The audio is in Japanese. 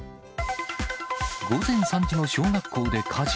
午前３時の小学校で火事。